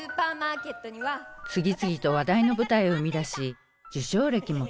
次々と話題の舞台を生み出し受賞歴も多数。